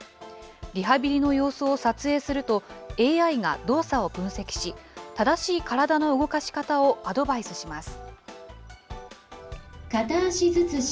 リハビリの様子を撮影すると、ＡＩが動作を分析し、正しい体の動かし方をアドバイスします。